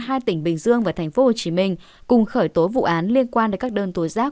hai tỉnh bình dương và tp hcm cùng khởi tố vụ án liên quan đến các đơn tố giác